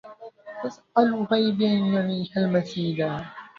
تسأل الغيب أن يريها المصيرا